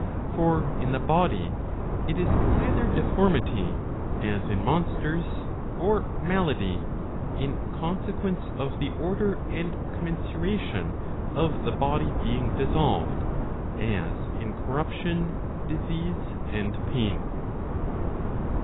For in the body, it is either deformity, as in monsters, or malady, in consequence of the order and commensuration of the body being dissolved, as in corrup¬ tion, disease, and pain.